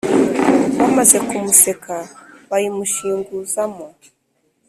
bamaze kumuseka, bayimushinguzamo;